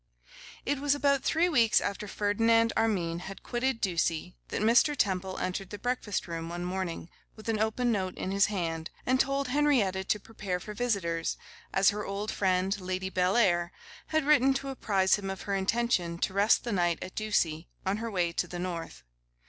IT WAS about three weeks after Ferdinand Armine had quitted Ducie that Mr. Temple entered the breakfast room one morning, with an open note in his hand, and told Henrietta to prepare for visitors, as her old friend, Lady Bellair, had written to apprise him of her intention to rest the night at Ducie, on her way to the North.